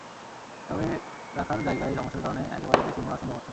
তবে রাখার জায়গার সমস্যার কারণে একবারে বেশি নেওয়া সম্ভব হচ্ছে না।